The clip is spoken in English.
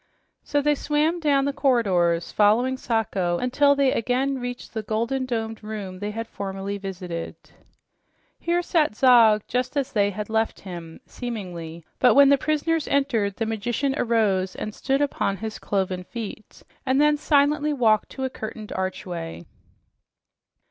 So they swam down the corridors following Sacho until they again reached the golden domed room they had formerly visited. Here sat Zog just as they had left him, seemingly, but when his prisoners entered, the magician arose and stood upon his cloven feet and then silently walked to a curtained archway.